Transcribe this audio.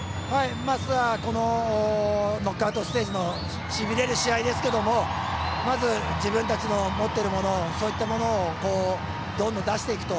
まずはこのノックアウトステージのしびれる試合ですけどまず、自分たちの持っているものそういったものをどんどん出していくと。